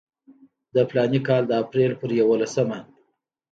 د فلاني کال د اپریل پر یوولسمه.